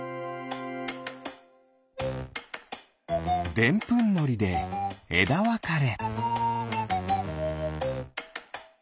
でんぷんのりでえだわかれ。